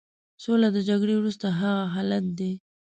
سوله د جګړې وروسته هغه حالت دی.